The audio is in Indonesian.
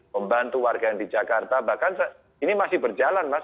membantu warga yang di jakarta bahkan ini masih berjalan mas